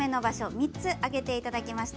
３つ挙げていただきました。